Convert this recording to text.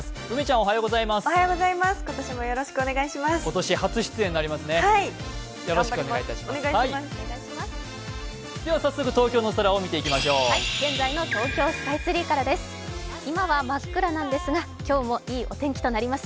おはようございます。